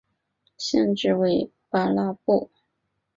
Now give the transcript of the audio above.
县治为巴拉布。